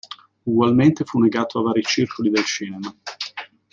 Ugualmente fu negato a vari Circoli del Cinema.